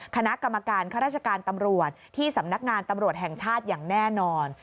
คณะกรรมการข้าราชการตำรวจที่สำนักงานตำรวจแห่งชาติอย่างแน่นอน